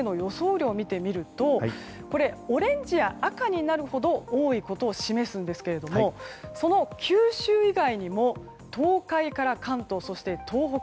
雨量を見てみるとオレンジや赤になるほど多いことを示すんですけれども九州以外にも東海から関東、そして東北